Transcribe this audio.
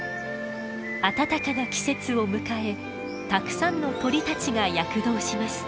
暖かな季節を迎えたくさんの鳥たちが躍動します。